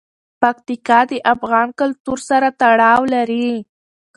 پکتیکا د افغان کلتور سره تړاو لري.